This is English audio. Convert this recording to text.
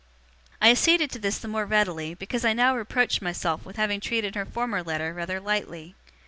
I acceded to this the more readily, because I now reproached myself with having treated her former letter rather lightly.